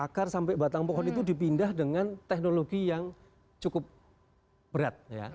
akar sampai batang pohon itu dipindah dengan teknologi yang cukup berat